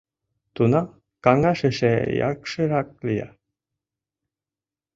Тунам каҥаш эше якширак лия.